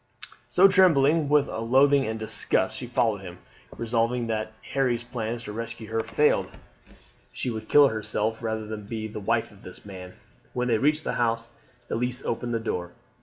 So, trembling with loathing and disgust, she had followed him, resolved that if Harry's plan to rescue her failed she would kill herself rather than be the wife of this man. When they reached the house Elise opened the door.